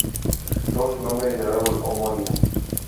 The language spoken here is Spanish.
Toma su nombre del árbol homónimo.